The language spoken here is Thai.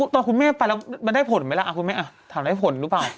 ตอนคุณแม่ไปแล้วมันได้ผลไหมล่ะคุณแม่ถามได้ผลหรือเปล่า